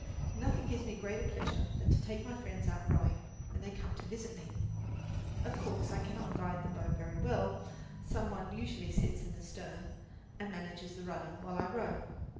Nothing gives me greater pleasure than to take my friends out rowing when they visit me. Of course, I cannot guide the boat very well. Some one usually sits in the stern and manages the rudder while I row.